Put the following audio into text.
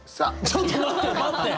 ちょっと待って！